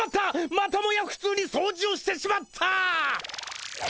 またもやふつうに掃除をしてしまった！